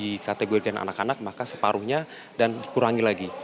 dikategorikan anak anak maka separuhnya dan dikurangi lagi